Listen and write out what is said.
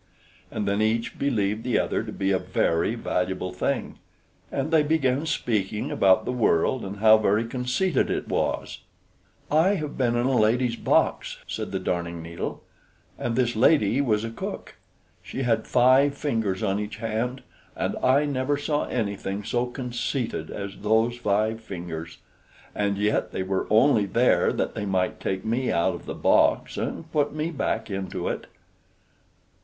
And then each believed the other to be a very valuable thing; and they began speaking about the world, and how very conceited it was. "I have been in a lady's box," said the Darning needle, "and this lady was a cook. She had five fingers on each hand, and I never saw anything so conceited as those five fingers. And yet they were only there that they might take me out of the box and put me back into it."